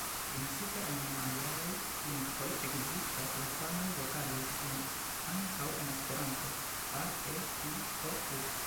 Principe en la majaaj lingvoj ekzistas la samaj vokaloj kiom ankaŭ en Esperanto: a-e-i-o-u.